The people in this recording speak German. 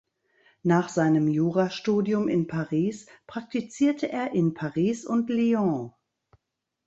Nach seinem Jurastudium in Paris praktizierte er in Paris und Lyon.